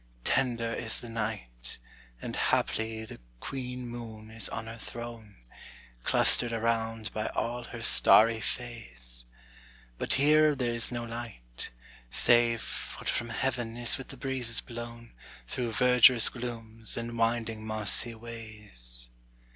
tender is the night, And haply the Queen Moon is on her throne, Clustered around by all her starry Fays; But here there is no light, Save what from heaven is with the breezes blown Through verdurous glooms and winding mossy ways.